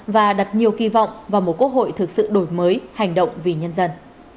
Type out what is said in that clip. và đặt nhiều kỳ vọng vào một quốc hội thực sự đổi mới hành động vì nhân dân